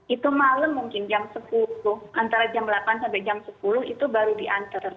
itu malam mungkin jam sepuluh antara jam delapan sampai jam sepuluh itu baru diantar